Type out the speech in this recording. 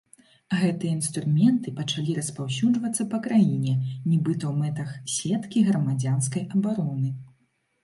Гэтыя інструменты пачалі распаўсюджвацца па краіне, нібыта ў мэтах сеткі грамадзянскай абароны.